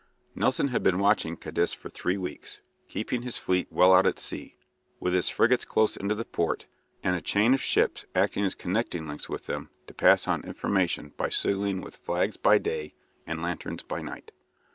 Nelson had been watching Cadiz for three weeks, keeping his fleet well out at sea, with his frigates close in to the port, and a chain of ships acting as connecting links with them to pass on information by signalling with flags by day and lanterns by night.